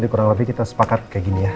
jadi kurang lebih kita sepakat kayak gini ya